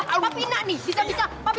aduh biar dia juga gak bakal berubah